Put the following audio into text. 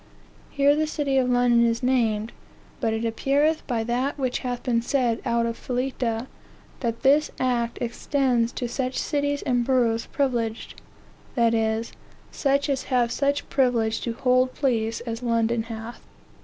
Here the city of London is named; but it appeareth by that which hath been said out of Fleta, that this act extends to such cities and boroughs privileged, that is, such as have such privilege to hold plea as London hath."